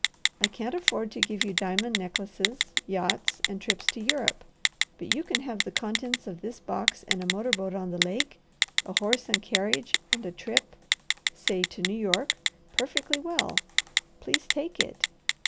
I can't afford to give you diamond necklaces, yachts, and trips to Europe; but you can have the contents of this box and a motor boat on the lake, a horse and carriage, and a trip say to New York perfectly well. Please take it."